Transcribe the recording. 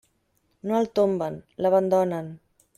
No el tomben, l'abandonen.